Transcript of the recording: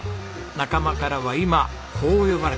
仲間からは今こう呼ばれてます。